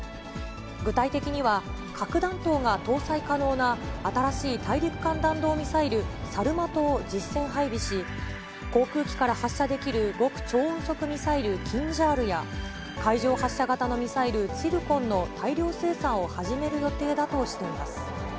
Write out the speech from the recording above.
具体的には、核弾頭が搭載可能な新しい大陸間弾道ミサイル、サルマトを実戦配備し、航空機から発射できる極超音速ミサイル、キンジャールや、海上発射型のミサイル、ツィルコンの大量生産を始める予定だとしています。